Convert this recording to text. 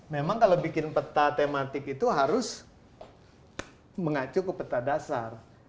memang kalau bikin peta tematik itu harus mengacu ke peta dasar